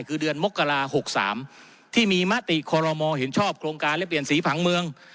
คือเดือนมกรา๖๓ที่มีมติคอรมอเห็นชอบโครงการและเปลี่ยนสีผังเมือง